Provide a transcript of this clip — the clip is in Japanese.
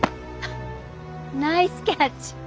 ナイスキャッチ。